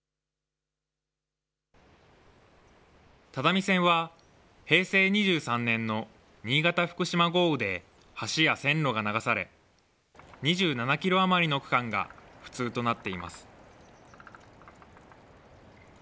只見線は、平成２３年の新潟・福島豪雨で、橋や線路が流され、２７キロ余りの区間が不通となっています。